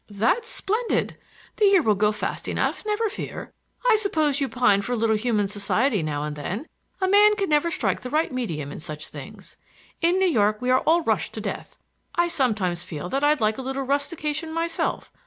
"That's splendid. The year will go fast enough, never fear. I suppose you pine for a little human society now and then. A man can never strike the right medium in such things. In New York we are all rushed to death. I sometimes feel that I'd like a little rustication myself.